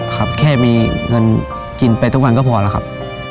ครับแค่มีเงินกินไปทุกวันก็พอแล้วครับ